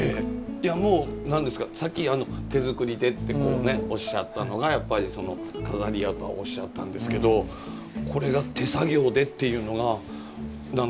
いやもう何ですかさっき手作りでっておっしゃったのがやっぱり錺やとはおっしゃったんですけどこれが手作業でっていうのが想像を絶するというか。